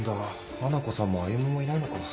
花子さんも歩もいないのか。